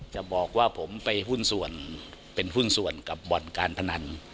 จะบอกว่าผมไปหุ้นส่วนเป็นหุ้นส่วนกับบ่อนการพนัน